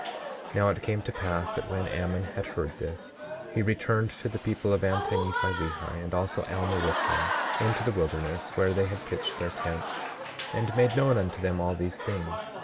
27:25 Now, it came to pass that when Ammon had heard this, he returned to the people of Anti Nephi Lehi, and also Alma with him, into the wilderness, where they had pitched their tents, and made known unto them all these things.